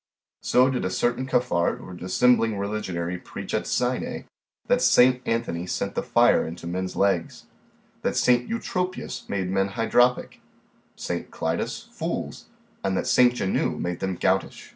So did a certain cafard or dissembling religionary preach at Sinay, that Saint Anthony sent the fire into men's legs, that Saint Eutropius made men hydropic, Saint Clidas, fools, and that Saint Genou made them goutish.